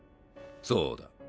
そうだ。